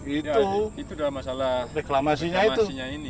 itu itu adalah masalah reklamasinya itu